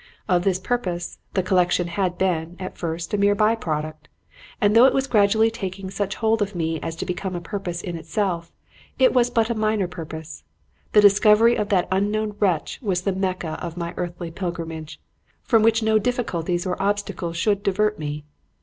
Of this purpose, the collection had been, at first, a mere by product; and though it was gradually taking such hold of me as to become a purpose in itself, it was but a minor purpose. The discovery of that unknown wretch was the Mecca of my earthly pilgrimage, from which no difficulties or obstacles should divert me.